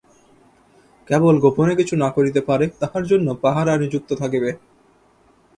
কেবল গোপনে কিছু না করিতে পারে, তাহার জন্য পাহারা নিযুক্ত থাকিবে।